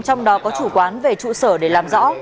trong đó có chủ quán về trụ sở để làm rõ